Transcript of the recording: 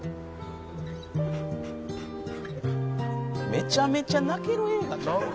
「めちゃめちゃ泣ける映画ちゃう？